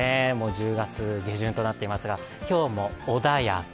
１０月下旬となっていますが今日も穏やか。